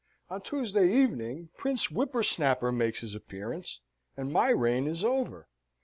On Tuesday evening Prince Whippersnapper makes his appearance, and my reign is over.